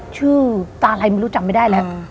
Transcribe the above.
ชื่อตาอะไรรู้จับไม่ได้แล้ว